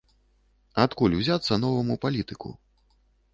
Адкуль узяцца новаму палітыку?